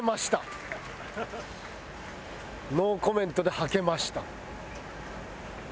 ノーコメントでハケました。